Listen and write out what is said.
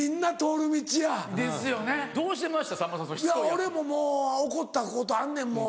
俺ももう怒ったことあんねんもう。